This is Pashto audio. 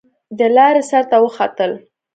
د لارۍ سر ته وختل.